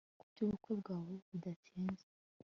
kubyubukwe bwawe bidatinze